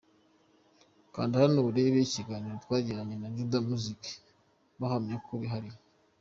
Kanda hano urebe ikiganiro twagiranye na Juda Muzik bahamya ko bihariye.